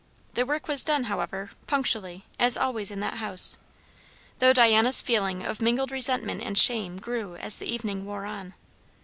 The work was done, however, punctually, as always in that house; though Diana's feeling of mingled resentment and shame grew as the evening wore on.